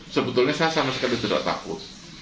sebetulnya saya sama sekali tidak takut